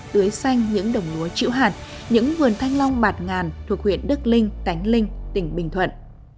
tưới xanh những đồng lúa chịu hạt những vườn thanh long bạt ngàn thuộc huyện đức linh tán linh tỉnh bình thuận